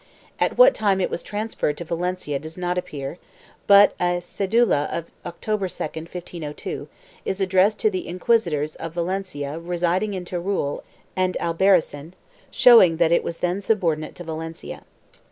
At what time it was transferred to Valencia does not appear, but a cedula of October 2, 1502 is addressed to the inquisitors of Valencia residing in Teruel and Albarracin, showing that it was then subordinate to Valencia.